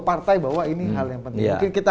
partai bahwa ini hal yang penting mungkin kita